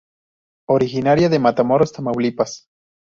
Originaria de Matamoros, Tamaulipas.